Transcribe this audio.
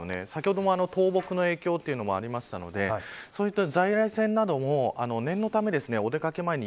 先ほども倒木の影響というのがありましたのでそういった在来線なども念のためお出掛け前に